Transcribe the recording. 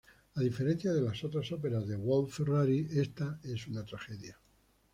A diferencia de las otras óperas de Wolf-Ferrari, esta es una tragedia.